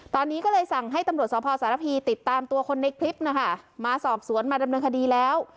ตอนนี้ก็เลยสั่งให้ตำรวจสภสารพีติดตามตัวคนในคลิปนะคะมาสอบสวนมาดำเนินคดีแล้ว